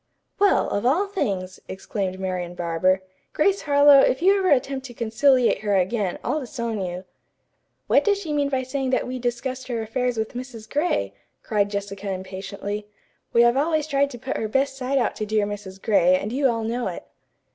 "Well, of all things!" exclaimed Marian Barber. "Grace Harlowe, if you ever attempt to conciliate her again, I'll disown you." "What does she mean by saying that we discussed her affairs with Mrs. Gray?" cried Jessica impatiently. "We have always tried to put her best side out to dear Mrs. Gray, and you all know it."